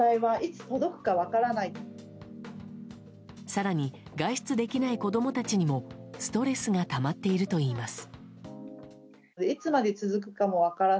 更に外出できない子供たちにもストレスがたまっているといいます。